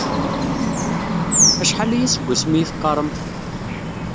Acḥal aya seg asmi i teqqaṛem?